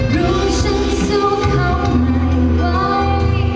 รู้ฉันสู้เข้าใหม่ไว้